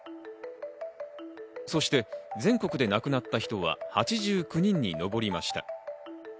そして全国で亡くなった人は８９人に上りました。